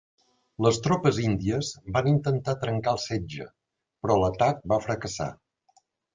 Les tropes índies van intentar trencar el setge, però l'atac va fracassar.